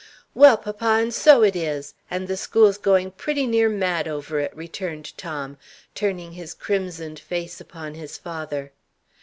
"Well, papa, and so it is! and the school's going pretty near mad over it!" returned Tom, turning his crimsoned face upon his father.